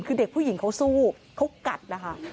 คือเด็กผู้หญิงเขาสู้เขากัดนะคะ